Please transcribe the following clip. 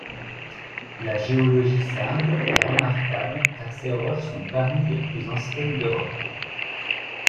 La géologie sarde est remarquable car ses roches sont parmi les plus anciennes d'Europe.